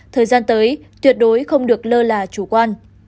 thời gian tới tuyệt đối không được lơ là chủ quan